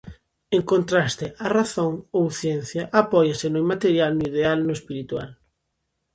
En contraste, a razón, ou ciencia, apóiase no inmaterial, no ideal, no espiritual.